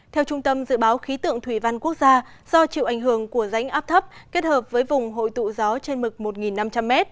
theo trung tâm dự báo khí tượng thủy văn quốc gia do chịu ảnh hưởng của rãnh áp thấp kết hợp với vùng hội tụ gió trên mực một năm trăm linh m